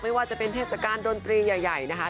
ไม่ว่าจะเป็นเทศกาลดนตรีใหญ่นะคะ